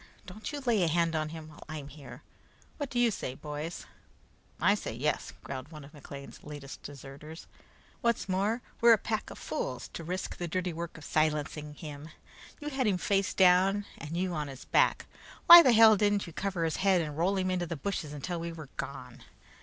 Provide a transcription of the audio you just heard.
Don't you lay a hand on him while I'm here! What do you say, boys?" "I say yes," growled one of McLean's latest deserters. "What's more, we're a pack of fools to risk the dirty work of silencing him. You had him face down and you on his back; why the hell didn't you cover his head and roll him into the bushes until we were gone?